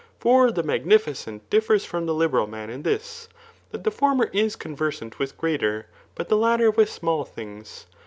For the magnificent differs from the liberal man in this, that the former is conver sant with great, but the latter with small things.